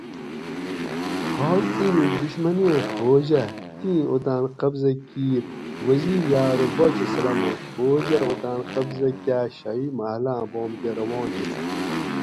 حال ایںوں دُشمنیں فوج اۤ تھیں اوطاۤن قبضہ کیر وزیر یاۤ ارو باچہ سلامت فوج اۤ اوطاۤن قبضہ کاۤ شاہی محلاۤں بام کہ روان ہِت